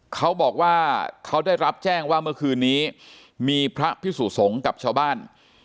เขาบอกว่าเขาได้รับแจ้งว่าเมื่อคืนนี้มีพระพิสุสงฆ์กับชาวบ้าน